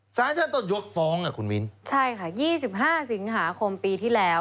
สาธารณะตอนยกฟองอ่ะคุณมินใช่ค่ะยี่สิบห้าสิงหาคมปีที่แล้ว